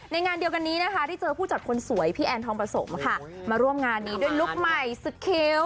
ในงานเดียวกันนี้ที่เจอผู้จัดคนสวยพี่แอนทองประสงค์มาร่วมงานนี้ด้วยลุคใหม่สกิล